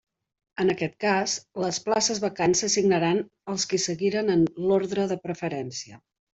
En aquest cas, les places vacants s'assignaran als qui seguiren en l'ordre de preferència.